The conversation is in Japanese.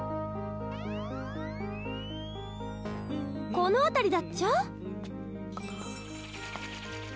この辺りだっちゃ。